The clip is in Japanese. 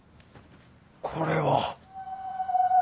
これは。